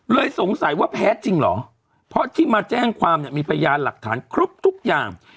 สงสัยว่าแพ้จริงเหรอเพราะที่มาแจ้งความเนี่ยมีพยานหลักฐานครบทุกอย่าง